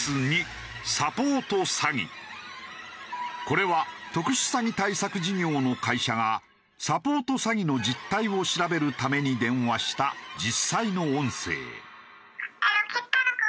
これは特殊詐欺対策事業の会社がサポート詐欺の実態を調べるために電話した実際の音声。